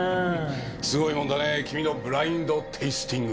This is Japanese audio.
すごいもんだねぇ君のブラインド・テイスティング。